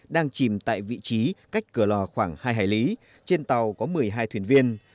đang chìm tại vị trí cách cửa lò khoảng hai hải lý trên tàu có một mươi hai thuyền viên